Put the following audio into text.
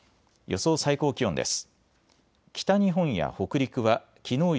予想最高気温です。